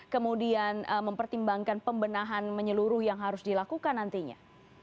kemudian mempertimbangkan pembenahan menyeluruh yang harus dilakukan nantinya